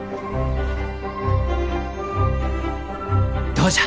どうじゃ？